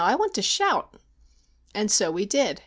I want to shout!" And so we did!